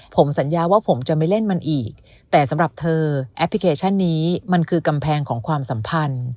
ผมสัญญาว่าผมจะไม่เล่นมันอีกแต่สำหรับเธอแอปพลิเคชันนี้มันคือกำแพงของความสัมพันธ์